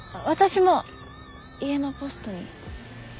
私も家のポストに。